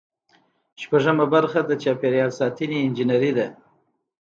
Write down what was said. شپږمه برخه د چاپیریال ساتنې انجنیری ده.